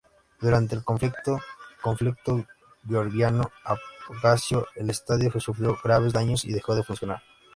Durante el conflicto Conflicto georgiano-abjasio, el estadio sufrió graves daños y dejó de funcionar.